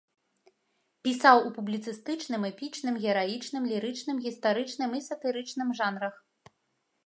Пісаў у публіцыстычным, эпічным, гераічным, лірычным, гістарычным і сатырычным жанрах.